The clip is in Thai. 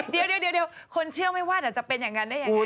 เดี๋ยวคนเชื่อไม่ว่าแต่จะเป็นอย่างนั้นได้อย่างไร